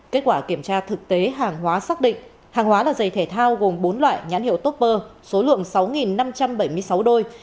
kết quả kiểm tra thực tế hàng hóa xác định hàng hóa là giày thể thao gồm bốn loại nhãn hiệu toper số lượng sáu năm trăm bảy mươi sáu đôi